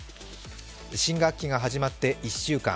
新学期が始まって１週間。